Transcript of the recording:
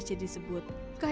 ia tidak usah